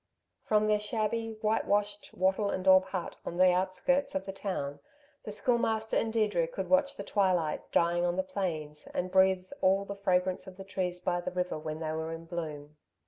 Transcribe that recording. From their shabby, whitewashed wattle and dab hut on the outskirts of the town the Schoolmaster and Deirdre could watch the twilight dying on the plains and breathe all the fragrance of the trees by the river when they were in bloom.